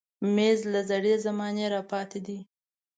مېز له زړې زمانې راپاتې دی.